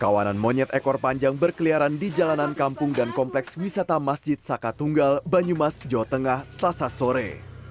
kawanan monyet ekor panjang berkeliaran di jalanan kampung dan kompleks wisata masjid saka tunggal banyumas jawa tengah selasa sore